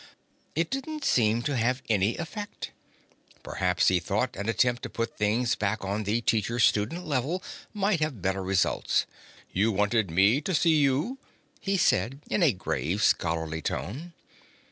It didn't seem to have any effect. Perhaps, he thought, an attempt to put things back on the teacher student level might have better results. "You wanted me to see you?" he said in a grave, scholarly tone.